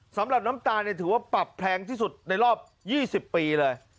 น้ำตาลถือว่าปรับแพงที่สุดในรอบ๒๐ปีเลย